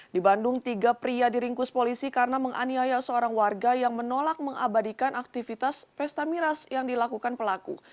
di bandung tiga pria diringkus polisi karena menganiaya seorang warga yang menolak mengabadikan aktivitas pesta miras yang dilakukan pelaku